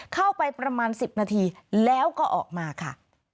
เข้าไปประมาณ๑๐นาทีแล้วก็ออกมาค่ะ